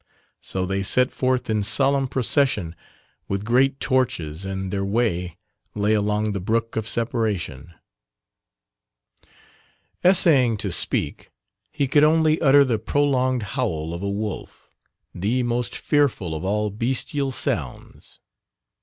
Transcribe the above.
So they set forth in solemn procession with great torches, and their way lay along the brook of separation. Essaying to speak he could only utter the prolonged howl of a wolf the most fearful of all bestial sounds.